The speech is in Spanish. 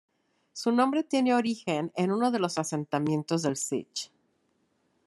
Su nombre tiene origen en uno de los asentamientos del Sich.